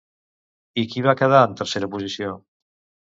I qui va quedar en tercera posició?